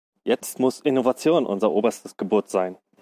Jetzt muss Innovation unser oberstes Gebot sein.